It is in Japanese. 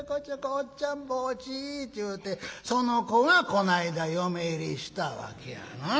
『おっちゃん帽子』て言うてその子がこないだ嫁入りしたわけやな。